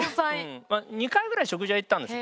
２回ぐらい食事は行ったんです。